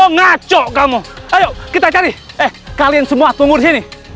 ngaco kamu ayo kita cari eh kalian semua tunggu di sini